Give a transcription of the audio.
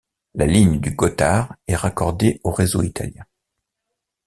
La ligne du Gothard est raccordée au réseau italien.